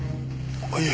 あっいえ。